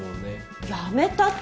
やめたって。